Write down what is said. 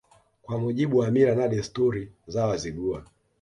Kwa mujibu wa mila na desturi za Wazigua